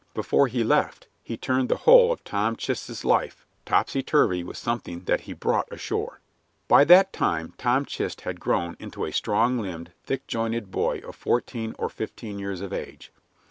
Before he left he turned the whole of Tom Chist's life topsy turvy with something that he brought ashore. By that time Tom Chist had grown into a strong limbed, thick jointed boy of fourteen or fifteen years of age.